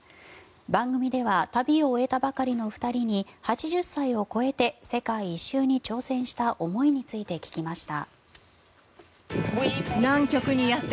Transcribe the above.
番組では旅を終えたばかりの２人に８０歳を超えて世界一周に挑戦した思いについて聞きました。